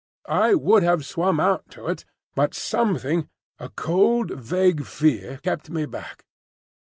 I would have swum out to it, but something—a cold, vague fear—kept me back.